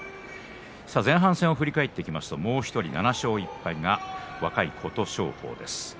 前半戦を振り返っていきますともう１人、７勝１敗が若い琴勝峰です。